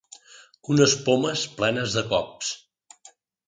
Unes pomes plenes de cops.